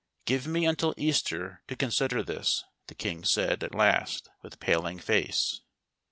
" Give me until Easter to consider this," the king said at last with paling face.